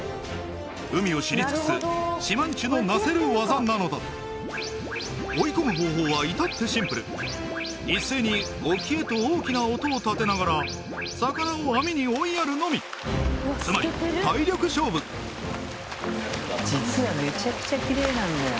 海を知り尽くす「しまんちゅ」のなせる技なのだ追い込む方法は至ってシンプル一斉に沖へと大きな音を立てながら魚を網に追いやるのみつまり体力勝負実はめちゃくちゃきれいなんだよ